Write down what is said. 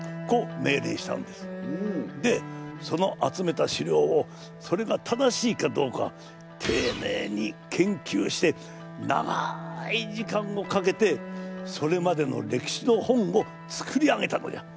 でその集めた史料をそれが正しいかどうかていねいに研究して長い時間をかけてそれまでの歴史の本を作り上げたのじゃ。